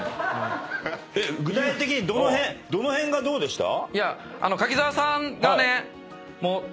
具体的にどの辺がどうでした？